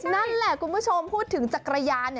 นั่นแหละคุณผู้ชมพูดถึงจักรยาน